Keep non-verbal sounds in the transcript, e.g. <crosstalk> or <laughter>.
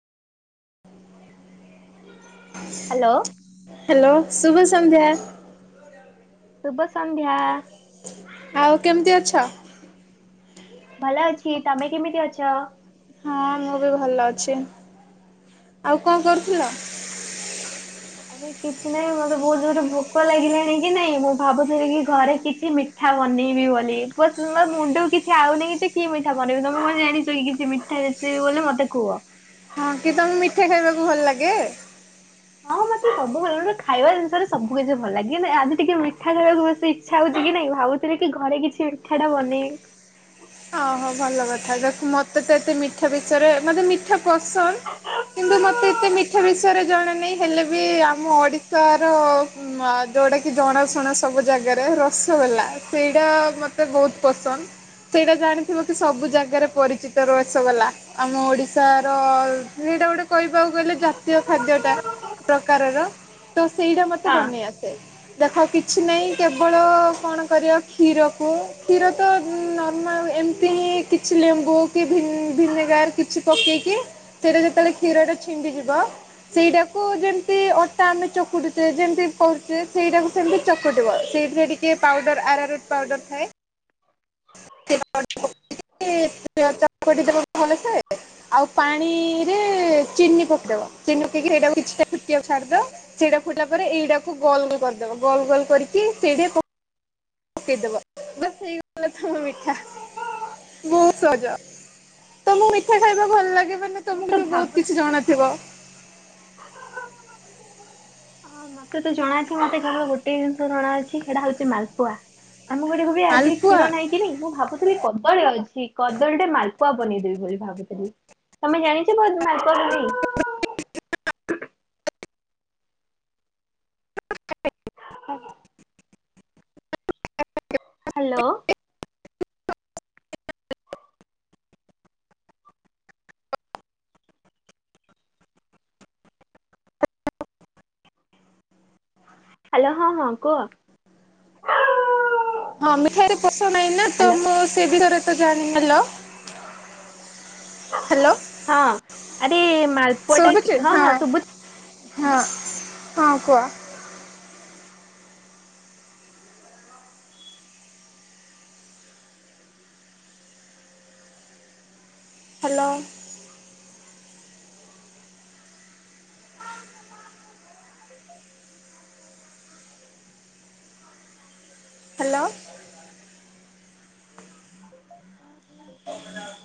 Hello hello ଶୁଭ ସନ୍ଧ୍ୟା। ଶୁଭ ସନ୍ଧ୍ୟା। ଆଉ କେମିତି ଅଛ? ଭଲ ଅଛି ତମେ କେମିତି ଅଛ? ହଁ ମୁଁ ବି ଭଲ ଅଛି ଆଉ କଣ କରୁଥିଲ? ଅହଁ, ଆରେ କିଛି ନାହିଁ ମତେ ବହୁତ ଜୋରେ ଭୋକ ଲାଗିଲାଣି କି ନାଇଁ ମୁଁ ଭାବୁଥିଲି କି ଘରେ କିଛି ମି ଠା ବନେଇବି ବୋଲି ବଟ ମୋ ମୁଣ୍ଡକୁ କିଛି ଆଉନି କିଛି କି ମିଠା ବନେଇବି ତମେ କଣ ଜାଣିଛ କି କିଛି ମିଠା ରେ ସିପି ବୋଲି ମତେ କୁହ। ହଁ କି ତମକୁ ମିଠା ଖାଇବାକୁ ଭଲ ଲାଗେ? ହଁ ମତେ ସବୁ ଭଲ ଲାଗେ ଖାଇବା ଜିନିଷରେ ସବୁ କିଛି ଭଲ ଲାଗେ ହେଲେ ଆଜି ଟିକେ ମିଠା ଖାଇବାକୁ ବେଶି ଇଛା ହଉଛି କି ନାଇଁ ଭାବୁ ଥିଲିକି ଘରେ କିଛି ମିଠା ଟା ବନେଇବି ଓହୋ ଭଲ କଥା ଦେଖ ମତେ ତ ଏତେ ମିଠା ବିଷୟରେ ମତେ ମିଠା ପସନ୍ଦ। କିନ୍ତୁ ମୋତେ ଏତେ ମିଠା ବିଷୟରେ ଜଣାନାହିଁ ହେଲେ ବି ଆମ ଓଡ଼ିଶାର। ମାଂ ଯୋଉଟା କି ଜଣାଶୁଣା ସବୁ ଜାଗାରେ ରସଗୋଲା, ସେଇଟା ମତେ ବହୁତ ପସନ୍ଦ। ସେଇଟା ଜାଣିଥିବ, କି ସବୁ ଜାଗାରେ ପରିଚିତ ରସୋଗଲା। ଆମ ଓଡିଶାର! ସେଇଟା ଗୋଟେ କହିବାକୁ ଗଲେ ଜାତୀୟ ଖାଦ୍ୟ ଟା। ପ୍ରକାରର, ତୋ ସେଇଟା ମତେ ହଁ ବନେଇ ଆସେ। ଦେଖ କିଛି ନାହିଁ କେବଳ କଣ କରିବା କ୍ଷୀରକୁ କ୍ଷୀର ତ ନର୍ମାଲ ଏମିତି ତି ହିଁ କିଛି ଲେମ୍ବୁ କି ଭିନ ଭିନେଗାର କିଛି ପକେଇକି ସେଇଟା ଯେତେବେଳେ କ୍ଷୀର ଟା ଛିଣ୍ଡିଯିବ ସେଇଟାକୁ ଯେମତି ଅଟା ଆମେ ଚକୁଡୁଛେ, ଯେମିତି କରୁଛେ, ସେଇଟାକୁ ସେମିତି ଚକୁଟିବ ସେଇଥିରେ ଟିକେ ଟିକେ ପାଉଡର ଆର ରୁଟ ପାଉଡର ଥାଏ--' <unintelligible> ଏତ ଚକଟି ଦେବ ଭଲ ସେ? ଆଉ ପାଣି ରେ ଚିନି ପକେଇବ ଚିନି ପକେଇକି ସେଇଟାକୁ କିଛିଟା ଛୁଟିବାକୁ ଛାଡିଦବା ସେଇଟା ଫୁଟିଲା ପରେ, ଏଇଟାକୁ ଗୋଲ କରିଦବ ଗୋଲ ଗୋଲ କରିକି ସେଇଟି ପ ପକେଇଦବ, ବସ ହେଇଗଲା ତମ ମିଠା। ବହୁତ ସହଜ, ତମକୁ ମିଠା ଖାଇବା ଭଲ ଲାଗିବ ନା ମୁଁ ତମକୁ ତ ବହୁତ ଭାବୁଛି କିଛି ଜଣାଥିବ? ହଁ ମତେ ତ ଜଣା ଅଛି ମତେ କେବଳ ଗୋଟେ ଜିନିଷ ଜଣାଅଛି। ସେଇଟା ହଉଛି ମାଲପୁଆ। ଆମ ଘରେ ଏବବି ଆଜି ମାଲପୁଆ କ୍ଷୀର ନାହିଁ କି ରି ମୁଁ ଭାବୁଥିଲି କଦଳୀ ଅଛି, କଦଳୀ ଟେ ମାଲପୁଆ ବନେଇଦେବି। ମୁଇ ଭାବୁଥିଲି ତମେ ଜାଣିଥିଲ ମାଲପୁଆ ବନେଇ। ହଁ ହ୍ୟାଲୋ ହ୍ୟାଲୋ ହଁ ହଁ କୁହ। ହଁ ମିଠାଇରେ ପୋଷଣ ନାଇନା ତ ହ୍ୟାଲୋ। ମୁଁ ସେ ବିଷୟରେ ଏତେ ଜାଣିନି। ହ୍ଯାଲୋ ହ୍ୟାଲୋ ହଁ ଆରେ ମାଲପୁଆ ଟା ହଁ ହଁ ସୁବୁଜି। ହଁ ହଁ କୁହ ହ୍ୟାଲୋ ହ୍ୟାଲୋ